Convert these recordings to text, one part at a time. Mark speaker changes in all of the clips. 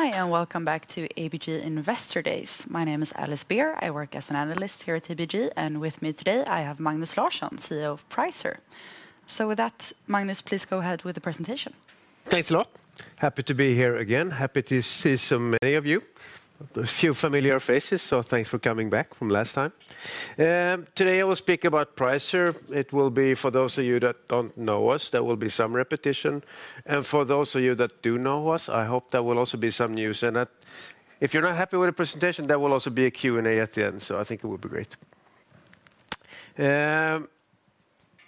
Speaker 1: Hi, and welcome back to ABG Investor Days. My name is Alice Beer. I work as an analyst here at ABG, and with me today I have Magnus Larsson, CEO of Pricer. So with that, Magnus, please go ahead with the presentation.
Speaker 2: Thanks a lot. Happy to be here again. Happy to see so many of you. A few familiar faces, so thanks for coming back from last time. Today I will speak about Pricer. It will be, for those of you that don't know us, there will be some repetition, and for those of you that do know us, I hope there will also be some news, and if you're not happy with the presentation, there will also be a Q&A at the end, so I think it will be great.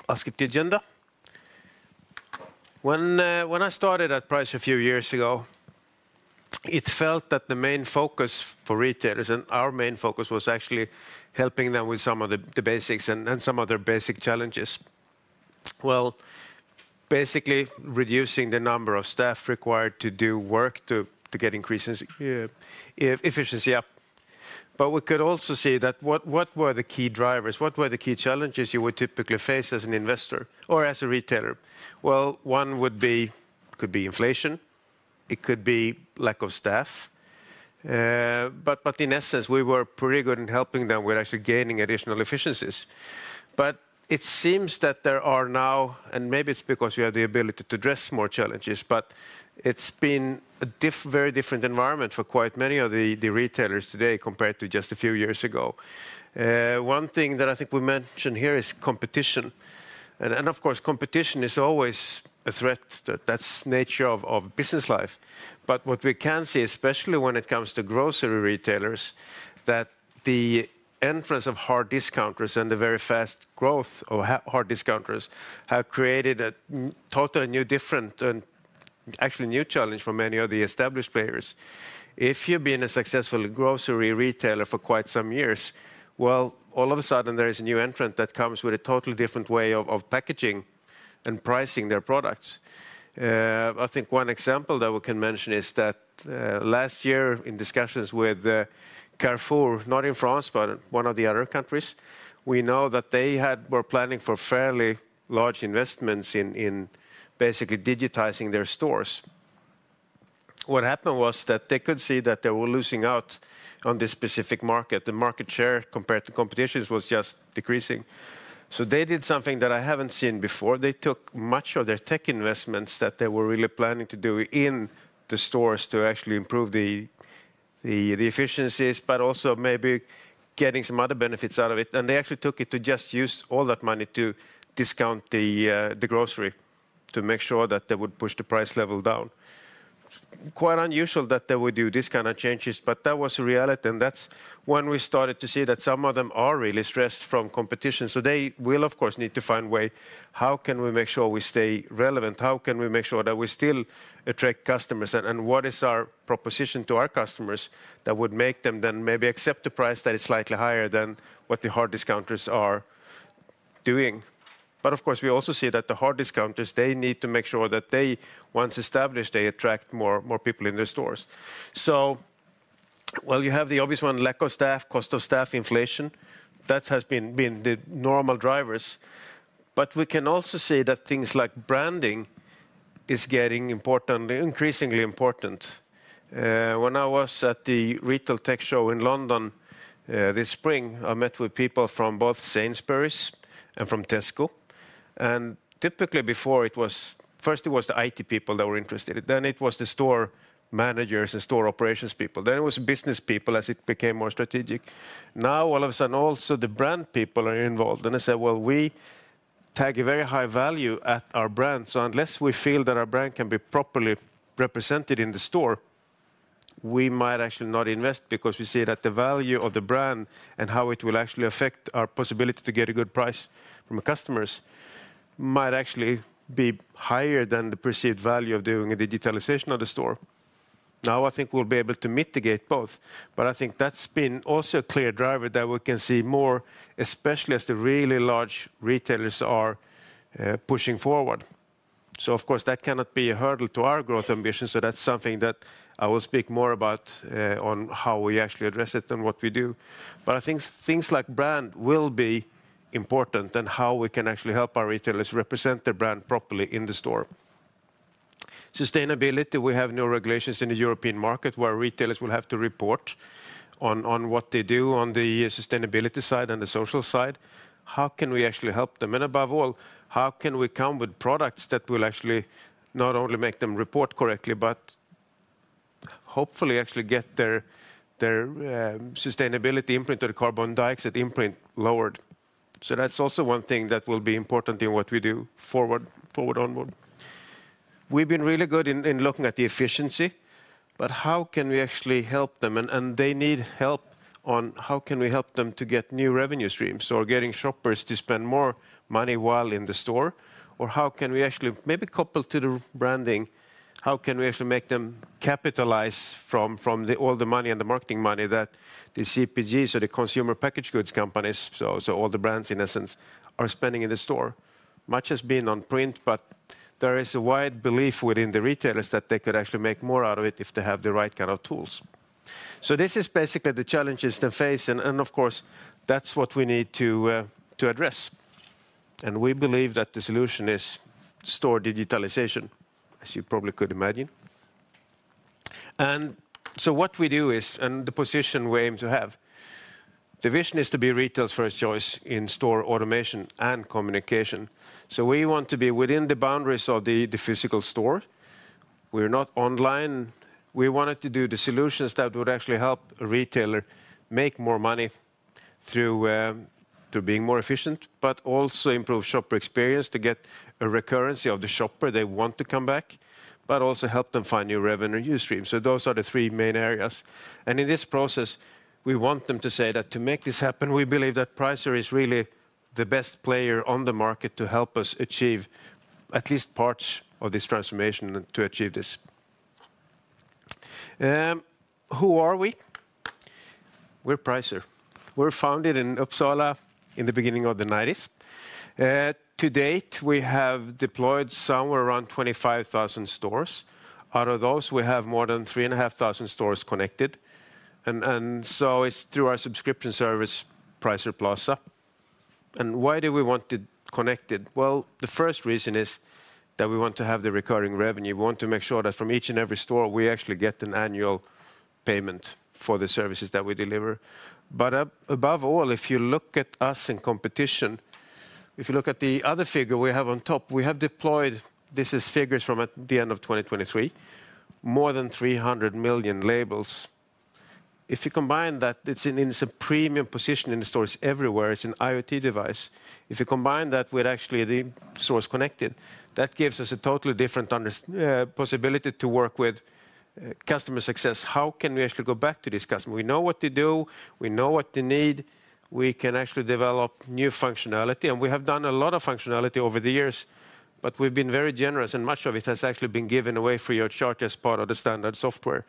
Speaker 2: I'll skip the agenda. When I started at Pricer a few years ago, it felt that the main focus for retailers, and our main focus, was actually helping them with some of the basics and some of their basic challenges, well, basically reducing the number of staff required to do work to get increases in efficiency up. But we could also see what were the key drivers? What were the key challenges you would typically face as an investor or as a retailer? Well, one would be inflation. It could be lack of staff. But in essence, we were pretty good in helping them with actually gaining additional efficiencies. But it seems that there are now, and maybe it's because we have the ability to address more challenges, but it's been a very different environment for quite many of the retailers today compared to just a few years ago. One thing that I think we mentioned here is competition. And of course, competition is always a threat. That's the nature of business life. But what we can see, especially when it comes to grocery retailers, is that the entrance of hard discounters and the very fast growth of hard discounters have created a totally new, different, and actually new challenge for many of the established players. If you've been a successful grocery retailer for quite some years, well, all of a sudden there is a new entrant that comes with a totally different way of packaging and pricing their products. I think one example that we can mention is that last year in discussions with Carrefour, not in France, but one of the other countries, we know that they were planning for fairly large investments in basically digitizing their stores. What happened was that they could see that they were losing out on this specific market. The market share compared to competition was just decreasing. So they did something that I haven't seen before. They took much of their tech investments that they were really planning to do in the stores to actually improve the efficiencies, but also maybe getting some other benefits out of it. And they actually took it to just use all that money to discount the grocery to make sure that they would push the price level down. Quite unusual that they would do these kinds of changes, but that was a reality. And that's when we started to see that some of them are really stressed from competition. So they will, of course, need to find a way. How can we make sure we stay relevant? How can we make sure that we still attract customers? What is our proposition to our customers that would make them then maybe accept a price that is slightly higher than what the hard discounters are doing? But of course, we also see that the hard discounters, they need to make sure that once established, they attract more people in their stores. So well, you have the obvious one: lack of staff, cost of staff, inflation. That has been the normal drivers. But we can also see that things like branding are getting increasingly important. When I was at the Retail Tech Show in London this spring, I met with people from both Sainsbury's and from Tesco. And typically, before, first it was the IT people that were interested. Then it was the store managers and store operations people. Then it was business people as it became more strategic. Now, all of a sudden, also the brand people are involved. And they said, well, we tag a very high value at our brand. So unless we feel that our brand can be properly represented in the store, we might actually not invest because we see that the value of the brand and how it will actually affect our possibility to get a good price from customers might actually be higher than the perceived value of doing a digitalization of the store. Now, I think we'll be able to mitigate both. But I think that's been also a clear driver that we can see more, especially as the really large retailers are pushing forward. So, of course, that cannot be a hurdle to our growth ambition. So that's something that I will speak more about on how we actually address it and what we do. But I think things like brand will be important and how we can actually help our retailers represent their brand properly in the store. Sustainability. We have new regulations in the European market where retailers will have to report on what they do on the sustainability side and the social side. How can we actually help them? And above all, how can we come with products that will actually not only make them report correctly, but hopefully actually get their sustainability footprint or carbon dioxide footprint lowered? So that's also one thing that will be important in what we do forward onward. We've been really good in looking at the efficiency, but how can we actually help them? And they need help on how can we help them to get new revenue streams or getting shoppers to spend more money while in the store? Or how can we actually, maybe coupled to the branding, how can we actually make them capitalize from all the money and the marketing money that the CPGs, so the consumer packaged goods companies, so all the brands in essence, are spending in the store? Much has been on print, but there is a wide belief within the retailers that they could actually make more out of it if they have the right kind of tools. So this is basically the challenges they face. And of course, that's what we need to address. And we believe that the solution is store digitalization, as you probably could imagine. And so what we do is, and the position we aim to have, the vision is to be retail's first choice in store automation and communication. So we want to be within the boundaries of the physical store. We're not online. We wanted to do the solutions that would actually help a retailer make more money through being more efficient, but also improve shopper experience to get a recurrence of the shopper they want to come back, but also help them find new revenue streams. So those are the three main areas. And in this process, we want them to say that to make this happen, we believe that Pricer is really the best player on the market to help us achieve at least parts of this transformation and to achieve this. Who are we? We're Pricer. We're founded in Uppsala in the beginning of the 1990s. To date, we have deployed somewhere around 25,000 stores. Out of those, we have more than 3,500 stores connected. And so it's through our subscription service, Pricer Plaza. And why do we want to connect it? The first reason is that we want to have the recurring revenue. We want to make sure that from each and every store, we actually get an annual payment for the services that we deliver. But above all, if you look at us in competition, if you look at the other figure we have on top, we have deployed. This is figures from, at the end of 2023, more than 300 million labels. If you combine that, it's in a premium position in the stores everywhere. It's an IoT device. If you combine that with actually the stores connected, that gives us a totally different possibility to work with customer success. How can we actually go back to these customers? We know what they do. We know what they need. We can actually develop new functionality. And we have done a lot of functionality over the years, but we've been very generous. And much of it has actually been given away free of charge as part of the standard software.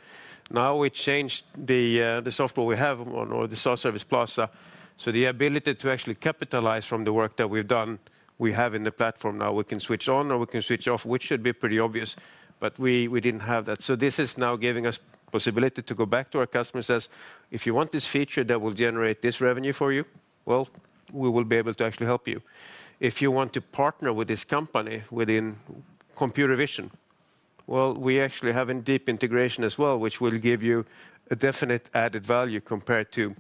Speaker 2: Now, we changed the software we have on the Pricer Plaza. So the ability to actually capitalize from the work that we've done, we have in the platform now. We can switch on or we can switch off, which should be pretty obvious, but we didn't have that. So this is now giving us the possibility to go back to our customers and say, "If you want this feature that will generate this revenue for you, well, we will be able to actually help you. If you want to partner with this company within computer vision, well, we actually have a deep integration as well, which will give you a definite added value compared to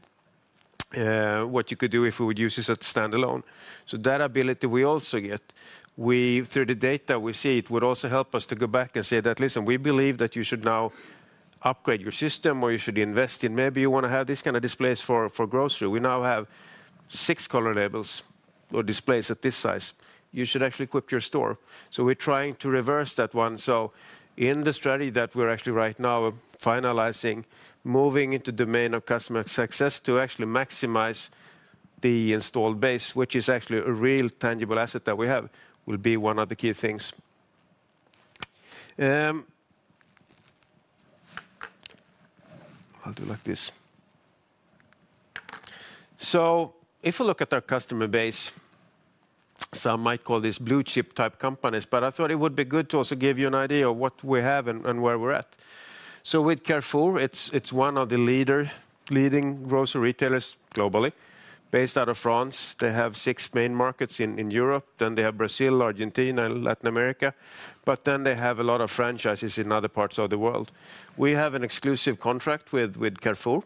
Speaker 2: what you could do if we would use this as a standalone. So that ability we also get. Through the data, we see it would also help us to go back and say that, listen, we believe that you should now upgrade your system, or you should invest in, maybe you want to have these kinds of displays for grocery. We now have six color labels or displays at this size. You should actually equip your store. So we're trying to reverse that one. In the strategy that we're actually right now finalizing, moving into the domain of customer success to actually maximize the installed base, which is actually a real, tangible asset that we have, will be one of the key things. I'll do it like this. So if we look at our customer base, some might call these blue-chip type companies, but I thought it would be good to also give you an idea of what we have and where we're at. So with Carrefour, it's one of the leading grocery retailers globally, based out of France. They have six main markets in Europe. Then they have Brazil, Argentina, and Latin America. But then they have a lot of franchises in other parts of the world. We have an exclusive contract with Carrefour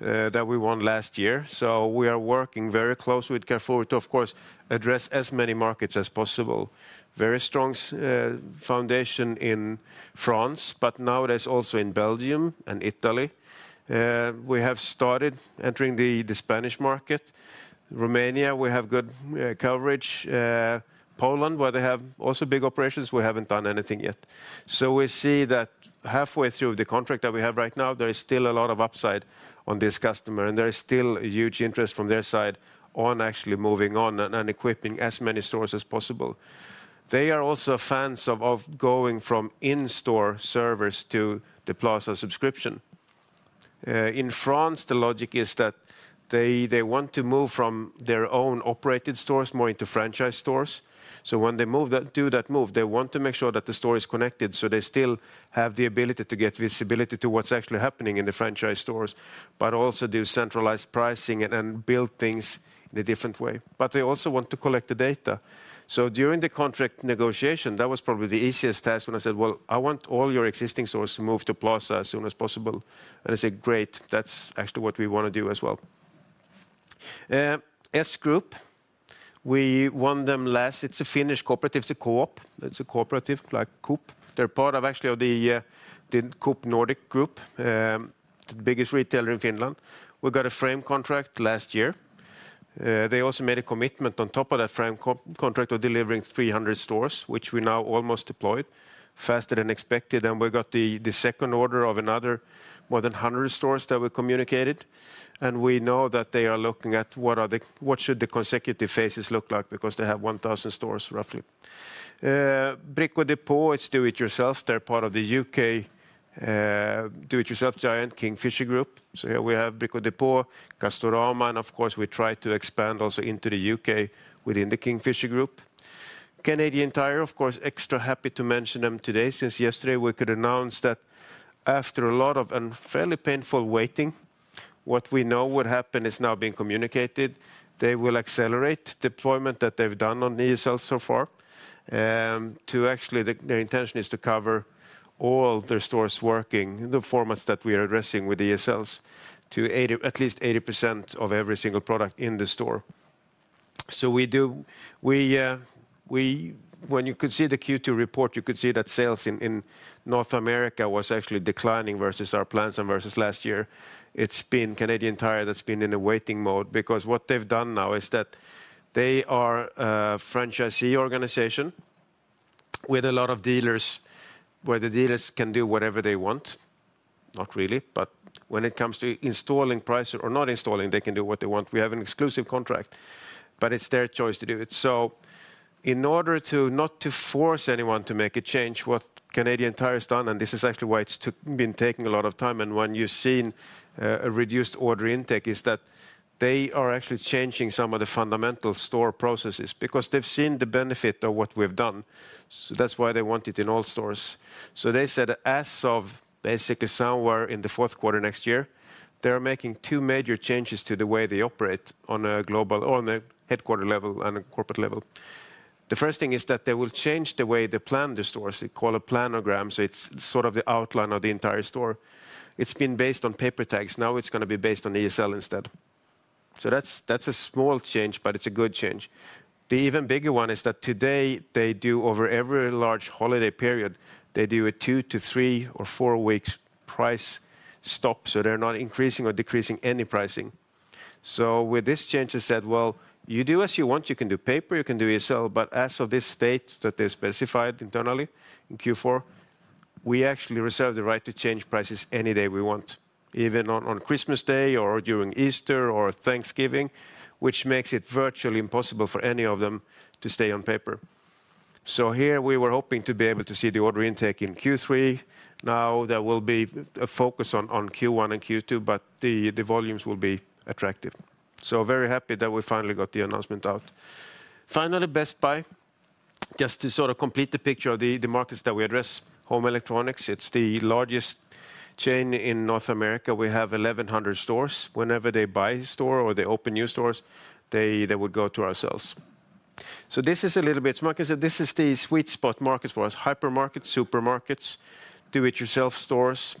Speaker 2: that we won last year. We are working very close with Carrefour to, of course, address as many markets as possible. Very strong foundation in France, but nowadays also in Belgium and Italy. We have started entering the Spanish market. Romania, we have good coverage. Poland, where they have also big operations, we haven't done anything yet. We see that halfway through the contract that we have right now, there is still a lot of upside on this customer. There is still a huge interest from their side on actually moving on and equipping as many stores as possible. They are also fans of going from in-store servers to the Plaza subscription. In France, the logic is that they want to move from their own operated stores more into franchise stores. So when they do that move, they want to make sure that the store is connected so they still have the ability to get visibility to what's actually happening in the franchise stores, but also do centralized pricing and build things in a different way. But they also want to collect the data. So during the contract negotiation, that was probably the easiest test when I said, well, I want all your existing stores to move to Plaza as soon as possible. And they said, great. That's actually what we want to do as well. S Group. We won them last. It's a Finnish cooperative. It's a co-op. It's a cooperative like Coop. They're part of actually the Coop Nordic Group, the biggest retailer in Finland. We got a frame contract last year. They also made a commitment on top of that frame contract of delivering 300 stores, which we now almost deployed faster than expected. And we got the second order of another more than 100 stores that were communicated. And we know that they are looking at what should the consecutive phases look like because they have 1,000 stores roughly. Brico Dépôt, it's do-it-yourself. They're part of the UK do-it-yourself giant Kingfisher Group. So here we have Brico Dépôt, Castorama. And of course, we try to expand also into the UK within the Kingfisher Group. Canadian Tire, of course, extra happy to mention them today since yesterday we could announce that after a lot of and fairly painful waiting, what we know would happen is now being communicated. They will accelerate deployment that they've done on ESL so far. Actually, their intention is to cover all their stores working in the formats that we are addressing with ESLs to at least 80% of every single product in the store. So when you could see the Q2 report, you could see that sales in North America was actually declining versus our plans and versus last year. It's been Canadian Tire that's been in a waiting mode because what they've done now is that they are a franchisee organization with a lot of dealers where the dealers can do whatever they want. Not really, but when it comes to installing Pricer or not installing, they can do what they want. We have an exclusive contract, but it's their choice to do it. So, in order to not force anyone to make a change, what Canadian Tire has done, and this is actually why it's been taking a lot of time. And when you've seen a reduced order intake, is that they are actually changing some of the fundamental store processes because they've seen the benefit of what we've done. So that's why they want it in all stores. So they said, as of basically somewhere in the fourth quarter next year, they're making two major changes to the way they operate on a global or on a headquarters level and a corporate level. The first thing is that they will change the way they plan the stores. They call it planograms. It's sort of the outline of the entire store. It's been based on paper tags. Now, it's going to be based on ESL instead. So that's a small change, but it's a good change. The even bigger one is that today they do, over every large holiday period, they do a two to three or four weeks price stop. They're not increasing or decreasing any pricing. With this change, they said, well, you do as you want. You can do paper. You can do ESL. But as of this date that they specified internally in Q4, we actually reserve the right to change prices any day we want, even on Christmas Day or during Easter or Thanksgiving, which makes it virtually impossible for any of them to stay on paper. Here, we were hoping to be able to see the order intake in Q3. Now there will be a focus on Q1 and Q2, but the volumes will be attractive. Very happy that we finally got the announcement out. Finally, Best Buy, just to sort of complete the picture of the markets that we address. Home electronics, it's the largest chain in North America. We have 1,100 stores. Whenever they buy a store, or they open new stores, they would go to our sales. So this is a little bit, like I said, this is the sweet spot market for us, hypermarkets, supermarkets, do-it-yourself stores.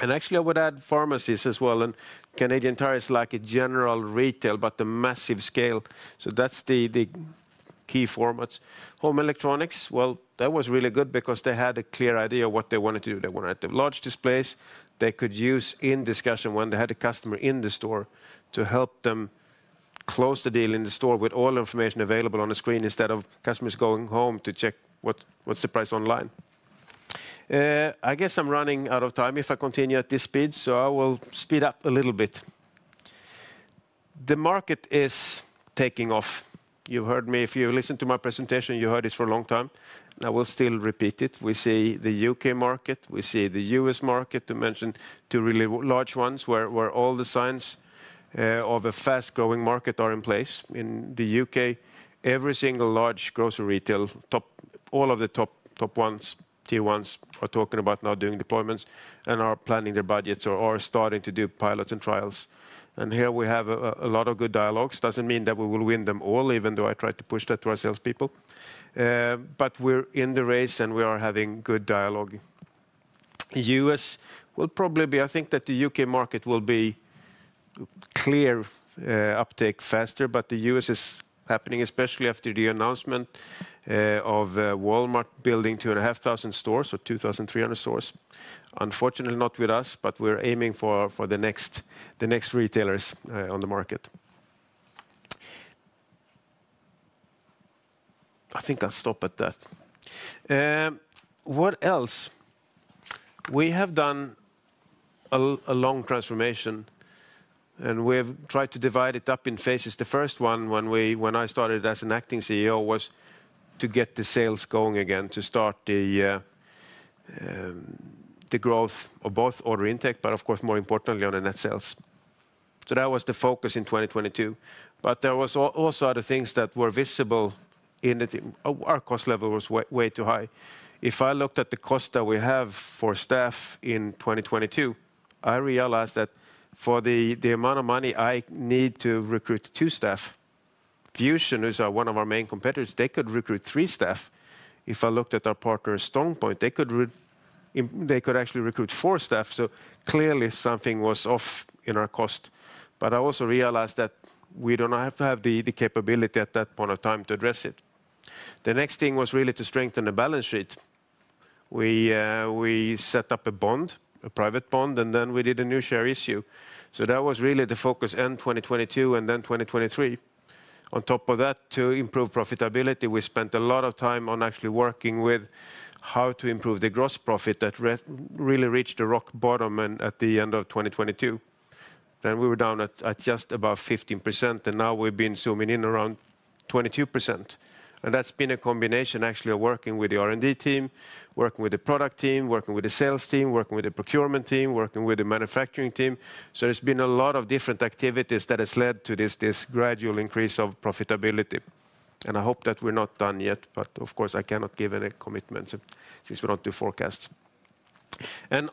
Speaker 2: Actually, I would add pharmacies as well. Canadian Tire is like a general retail, but the massive scale. So that's the key formats. Home Electronics, well, that was really good because they had a clear idea of what they wanted to do. They wanted the large displays they could use in discussion when they had a customer in the store to help them close the deal in the store with all information available on the screen, instead of customers going home to check what's the price online. I guess I'm running out of time if I continue at this speed, so I will speed up a little bit. The market is taking off. You've heard me. If you listen to my presentation, you heard it for a long time. And I will still repeat it. We see the U.K. market. We see the U.S. market, to mention two really large ones, where all the signs of a fast-growing market are in place. In the U.K., every single large grocery retail, all of the top ones, tier ones, are talking about now doing deployments and are planning their budgets or are starting to do pilots and trials. And here we have a lot of good dialogues. Doesn't mean that we will win them all, even though I tried to push that to our salespeople. But we're in the race, and we are having good dialogue. U.S. will probably be, I think that the U.K. market will be clear uptake faster, but the U.S. is happening, especially after the announcement of Walmart building 2,500 stores or 2,300 stores. Unfortunately, not with us, but we're aiming for the next retailers on the market. I think I'll stop at that. What else? We have done a long transformation, and we've tried to divide it up in phases. The first one, when I started as an acting CEO, was to get the sales going again, to start the growth of both order intake, but of course, more importantly, on the net sales. So that was the focus in 2022. But there were also other things that were visible in that our cost level was way too high. If I looked at the cost that we have for staff in 2022, I realized that for the amount of money I need to recruit two staff, VusionGroup, who's one of our main competitors, they could recruit three staff. If I looked at our partner, StrongPoint, they could actually recruit four staff. So clearly, something was off in our cost. But I also realized that we don't have to have the capability at that point of time to address it. The next thing was really to strengthen the balance sheet. We set up a bond, a private bond, and then we did a new share issue. So that was really the focus in 2022 and then 2023. On top of that, to improve profitability, we spent a lot of time on actually working with how to improve the gross profit that really reached the rock bottom at the end of 2022. Then we were down at just about 15%, and now we've been zooming in around 22%. And that's been a combination actually of working with the R&D team, working with the product team, working with the sales team, working with the procurement team, working with the manufacturing team. So there's been a lot of different activities that has led to this gradual increase of profitability. And I hope that we're not done yet, but of course, I cannot give any commitments since we don't do forecasts.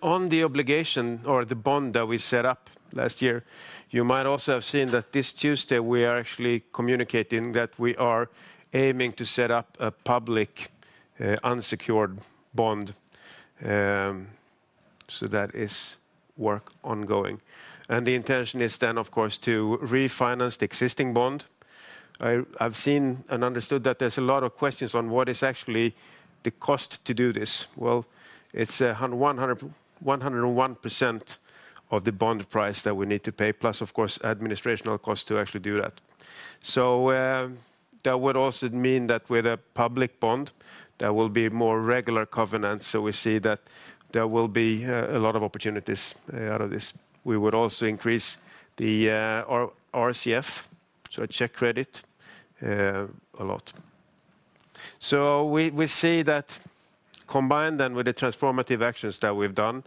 Speaker 2: On the obligation or the bond that we set up last year, you might also have seen that this Tuesday, we are actually communicating that we are aiming to set up a public unsecured bond. That is work ongoing. The intention is then, of course, to refinance the existing bond. I've seen and understood that there's a lot of questions on what is actually the cost to do this. It's 101% of the bond price that we need to pay, plus, of course, administrative costs to actually do that. That would also mean that with a public bond, there will be more regular covenants. We see that there will be a lot of opportunities out of this. We would also increase the RCF, so revolving credit facility, a lot. So we see that combined then with the transformative actions that we've done,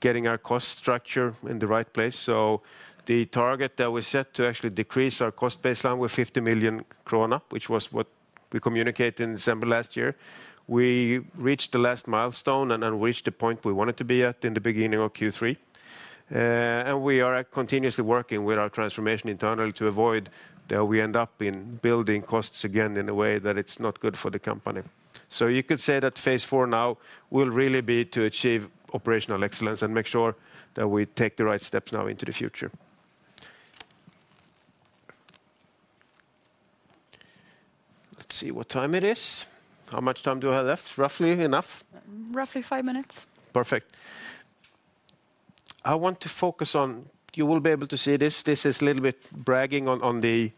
Speaker 2: getting our cost structure in the right place. So the target that we set to actually decrease our cost baseline with 50 million krona, which was what we communicated in December last year, we reached the last milestone and reached the point we wanted to be at in the beginning of Q3. And we are continuously working with our transformation internally to avoid that we end up in building costs again in a way that it's not good for the company. So you could say that phase four now will really be to achieve operational excellence and make sure that we take the right steps now into the future. Let's see what time it is. How much time do I have left? Roughly enough?
Speaker 1: Roughly five minutes.
Speaker 2: Perfect. I want to focus on. You will be able to see this. This is a little bit bragging on the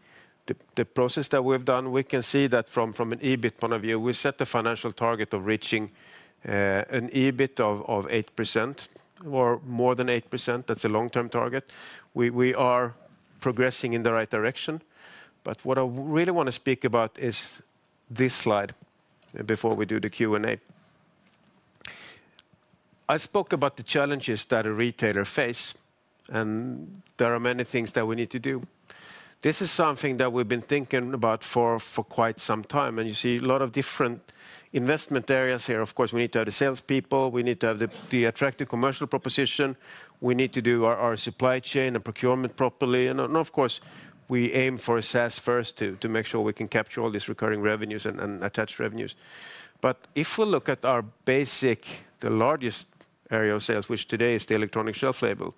Speaker 2: progress that we've done. We can see that from an EBIT point of view, we set the financial target of reaching an EBIT of 8% or more than 8%. That's a long-term target. We are progressing in the right direction. But what I really want to speak about is this slide before we do the Q&A. I spoke about the challenges that a retailer faces, and there are many things that we need to do. This is something that we've been thinking about for quite some time. You see a lot of different investment areas here. Of course, we need to have the salespeople. We need to have the attractive commercial proposition. We need to do our supply chain and procurement properly. Of course, we aim for SaaS first to make sure we can capture all these recurring revenues and attached revenues. But if we look at our basic, the largest area of sales, which today is the electronic shelf label,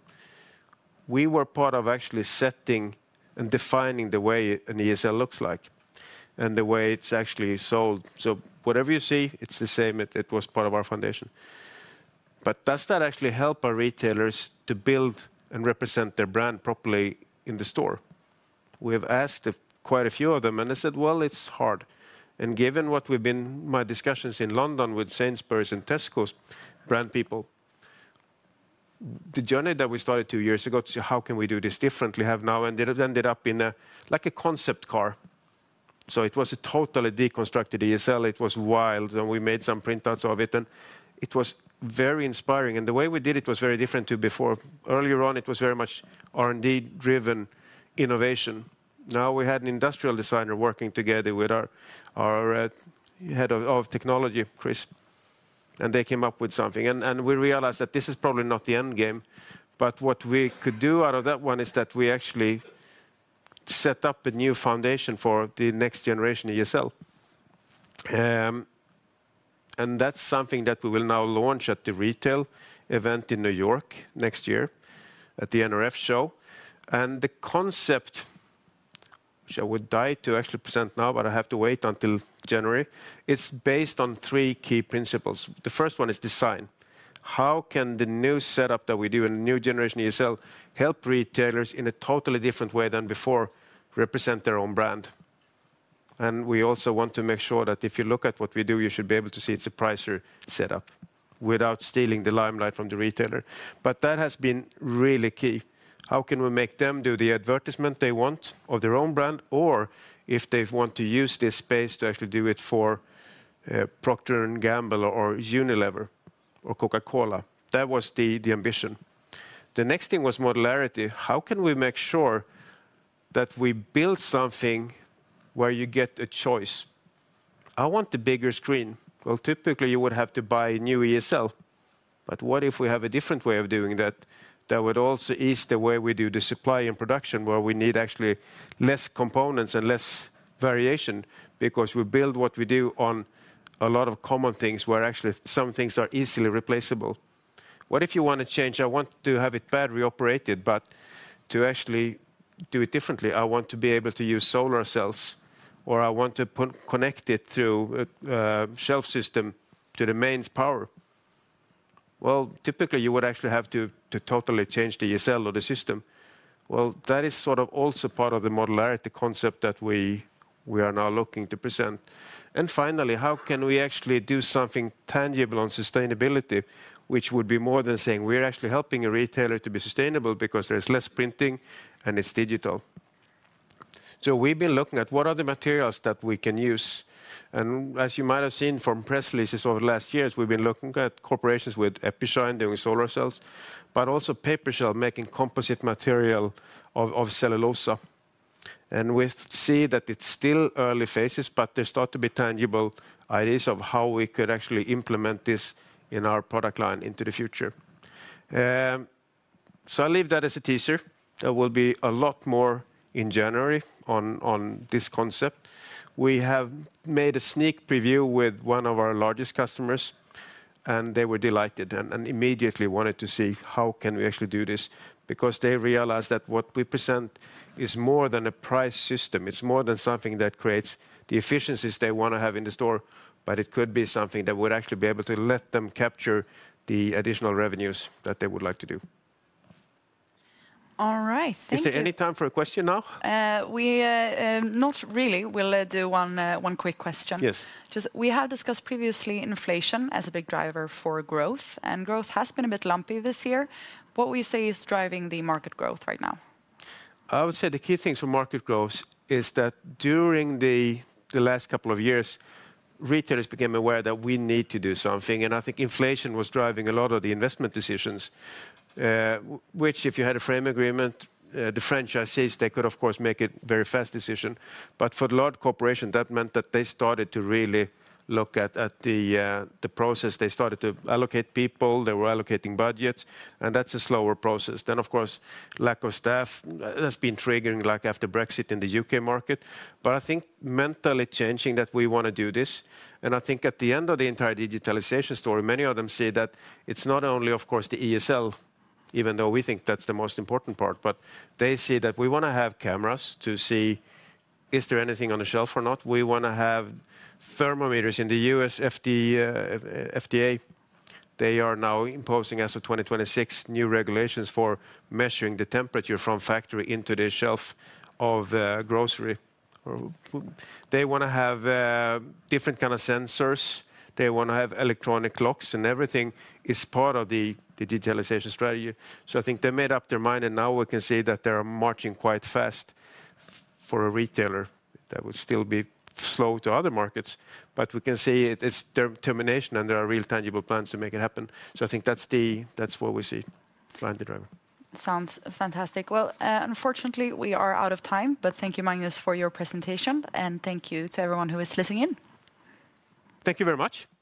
Speaker 2: we were part of actually setting and defining the way an ESL looks like and the way it's actually sold. So whatever you see, it's the same. It was part of our foundation. But does that actually help our retailers to build and represent their brand properly in the store? We have asked quite a few of them, and they said, well, it's hard. And given what we've been, my discussions in London with Sainsbury's and Tesco's brand people, the journey that we started two years ago to see how can we do this differently have now ended up in like a concept car. So it was a totally deconstructed ESL. It was wild, and we made some printouts of it. And it was very inspiring. And the way we did it was very different to before. Earlier on, it was very much R&D-driven innovation. Now we had an industrial designer working together with our head of technology, Chris, and they came up with something. And we realized that this is probably not the end game, but what we could do out of that one is that we actually set up a new foundation for the next generation ESL. And that's something that we will now launch at the retail event in New York next year at the NRF show. And the concept, which I would die to actually present now, but I have to wait until January, it's based on three key principles. The first one is design. How can the new setup that we do and the new generation ESL help retailers in a totally different way than before represent their own brand? And we also want to make sure that if you look at what we do, you should be able to see it's a Pricer setup without stealing the limelight from the retailer. But that has been really key. How can we make them do the advertisement they want of their own brand, or if they want to use this space to actually do it for Procter & Gamble or Unilever or Coca-Cola? That was the ambition. The next thing was modularity. How can we make sure that we build something where you get a choice? I want the bigger screen. Well, typically, you would have to buy a new ESL. But what if we have a different way of doing that? That would also ease the way we do the supply and production, where we need actually less components and less variation because we build what we do on a lot of common things, where actually some things are easily replaceable. What if you want to change? I want to have it battery-operated, but to actually do it differently, I want to be able to use solar cells, or I want to connect it through a shelf system to the mains power. Well, typically, you would actually have to totally change the ESL or the system. Well, that is sort of also part of the modularity concept that we are now looking to present. And finally, how can we actually do something tangible on sustainability, which would be more than saying we're actually helping a retailer to be sustainable because there's less printing and it's digital? We've been looking at what are the materials that we can use. And as you might have seen from press releases over the last years, we've been looking at corporations with Epishine doing solar cells, but also PaperShell making composite material of cellulose. And we see that it's still early phases, but there start to be tangible ideas of how we could actually implement this in our product line into the future. I'll leave that as a teaser. There will be a lot more in January on this concept. We have made a sneak preview with one of our largest customers, and they were delighted and immediately wanted to see how can we actually do this because they realized that what we present is more than a price system. It's more than something that creates the efficiencies they want to have in the store, but it could be something that would actually be able to let them capture the additional revenues that they would like to do.
Speaker 1: All right.
Speaker 2: Is there any time for a question now?
Speaker 1: Not really. We'll do one quick question.
Speaker 2: Yes.
Speaker 1: We have discussed previously inflation as a big driver for growth, and growth has been a bit lumpy this year. What would you say is driving the market growth right now?
Speaker 2: I would say the key things for market growth is that during the last couple of years, retailers became aware that we need to do something. And I think inflation was driving a lot of the investment decisions, which if you had a frame agreement, the franchisees, they could, of course, make a very fast decision. But for the large corporation, that meant that they started to really look at the process. They started to allocate people. They were allocating budgets, and that's a slower process. Then, of course, lack of staff has been triggering like after Brexit in the U.K. market. But I think mentally changing that we want to do this. And I think at the end of the entire digitalization story, many of them see that it's not only, of course, the ESL, even though we think that's the most important part, but they see that we want to have cameras to see is there anything on the shelf or not. We want to have thermometers in the U.S. FDA. They are now imposing as of 2026 new regulations for measuring the temperature from factory into the shelf of grocery. They want to have different kinds of sensors. They want to have electronic locks, and everything is part of the digitalization strategy. So I think they made up their mind, and now we can see that they are marching quite fast for a retailer that would still be slow to other markets. But we can see it's determination, and there are real, tangible plans to make it happen. So I think that's what we see behind the driver.
Speaker 1: Sounds fantastic. Well, unfortunately, we are out of time, but thank you, Magnus, for your presentation, and thank you to everyone who is listening in.
Speaker 2: Thank you very much.